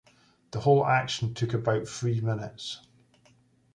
The whole action took about three minutes.